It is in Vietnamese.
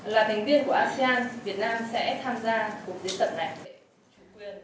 là thành viên của asean việt nam sẽ tham gia